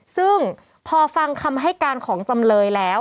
ซึ่งพอฟังคำให้การของจำเลยแล้ว